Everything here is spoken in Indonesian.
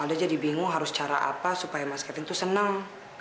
anda jadi bingung harus cara apa supaya mas kevin itu senang